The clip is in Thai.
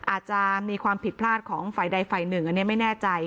อาจจะมีความผิดพลาดของฝ่ายใดฝ่ายหนึ่งอันนี้ไม่แน่ใจ